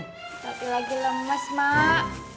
tati lagi lemes mak